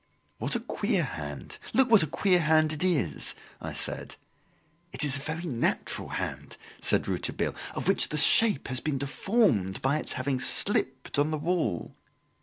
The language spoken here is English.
"What a queer hand! Look what a queer hand it is!" I said. "It is a very natural hand," said Rouletabille, "of which the shape has been deformed by its having slipped on the wall.